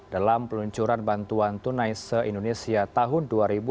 dalam peluncuran bantuan tunai se indonesia tahun dua ribu dua puluh